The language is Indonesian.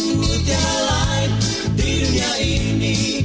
tiada lain di dunia ini